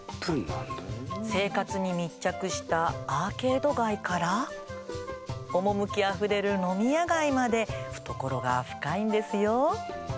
生活に密着したアーケード街から趣あふれる飲み屋街まで懐が深いんですよ。